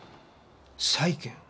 債権？